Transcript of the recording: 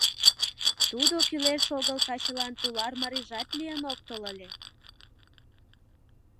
Тудо кӱлеш-огыл качылан тулар марийжат лийын ок тол ыле.